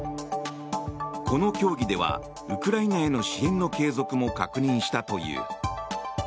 この協議ではウクライナへの支援の継続も確認したという。